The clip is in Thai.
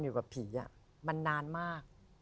อยู่กับผีมันนานมาก